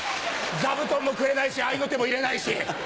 座布団もくれないし合いの手も入れないし。